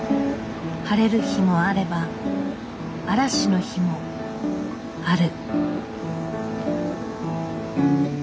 晴れる日もあれば嵐の日もある。